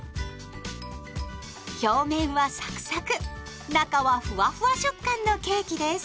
表面はサクサク中はふわふわ食感のケーキです。